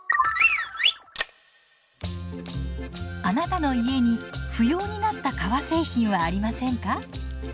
あなたの家に不要になった革製品はありませんか？